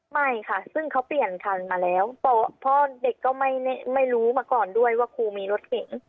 ไม่ค่ะซึ่งเขาเปลี่ยนคันมาแล้วเพราะเด็กก็ไม่รู้มาก่อนด้วยว่าครูมีรถเก่ง